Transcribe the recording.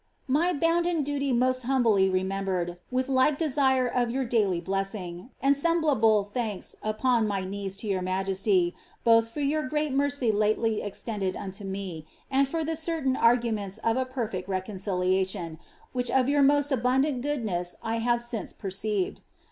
My bounden duty most humbly remembered, with like desire of your daily blessing, and semblable thanks upon my knees to your mnjesty, both for your grest mercy lately extended unto me, and for the certain arguments of a perfect reiMmciiiation, which of your most abundant goodness I have since perceived.